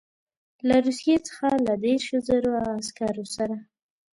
له روسیې څخه له دېرشو زرو عسکرو سره.